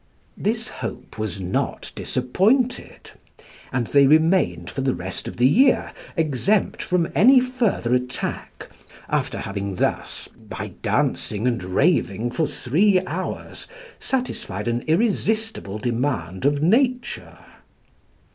This hope was not disappointed; and they remained, for the rest of the year, exempt from any further attack, after having thus, by dancing and raving for three hours, satisfied an irresistible demand of nature.